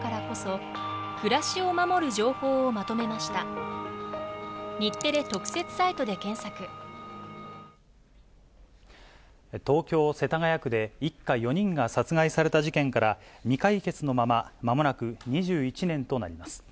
沖縄県内できょう新たに、２人から、東京・世田谷区で一家４人が殺害された事件から、未解決のまままもなく２１年となります。